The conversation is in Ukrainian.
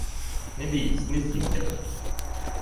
Не бійсь, не з'їм тебе.